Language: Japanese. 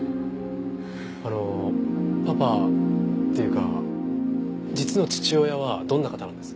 あのパパっていうか実の父親はどんな方なんです？